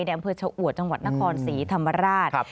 แดงเผือเฉาะจังหวัดนครศรีธรรมราช